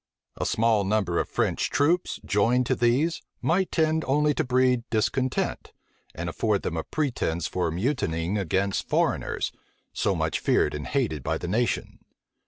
A small number of French troops, joined to these, might tend only to breed discontent; and afford them a pretence for mutinying against foreigners, so much feared and hated by the nation.